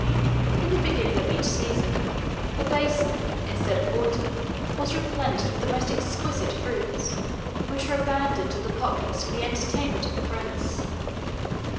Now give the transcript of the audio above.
In the beginning of each season, the basin, instead of water, was replenished with the most exquisite fruits, which were abandoned to the populace for the entertainment of the prince.